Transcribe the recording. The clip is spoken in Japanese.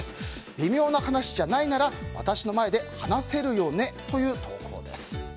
微妙な話じゃないなら私の前で話せるよねという投稿です。